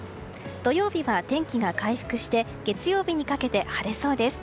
土曜日は天気が回復して月曜日にかけて晴れそうです。